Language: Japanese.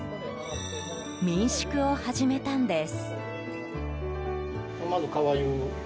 民宿を始めたんです。